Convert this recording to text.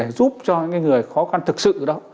giúp cho những người khó khăn thực sự đó